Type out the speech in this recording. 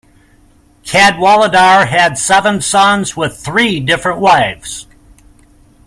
Cadwaladr had seven sons with three different wives.